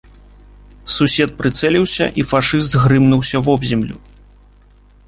Сусед прыцэліўся, і фашыст грымнуўся вобземлю.